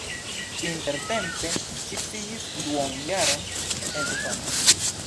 Intertempe ŝi pasigis duonjaron en Usono.